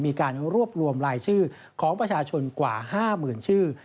มีการรวบรวมรายชื่อของประชาชนกว่า๕๐๐๐ชื่อ